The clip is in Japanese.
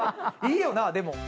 いいよな、でも。